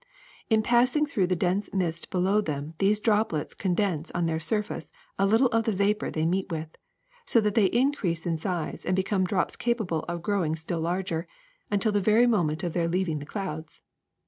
"In passing through the dense mist below them these droplets condense on their surface a little of the vapor they meet with, so that they increase in size and become drops capable of growing still larger, until the very moment of their leaving the clouds.